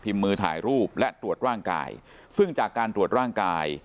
มือถ่ายรูปและตรวจร่างกายซึ่งจากการตรวจร่างกาย